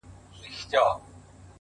د پيغورونو په مالت کي بې ريا ياري ده;